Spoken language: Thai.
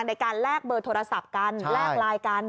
ในการแลกเบอร์โทรศัพท์กันแลกไลน์กัน